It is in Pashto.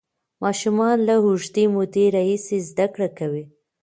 ماشومان له اوږدې مودې راهیسې زده کړه کوي.